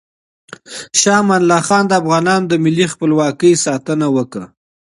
شاه امان الله خان د افغانانو د ملي خپلواکۍ ساتنه وکړه.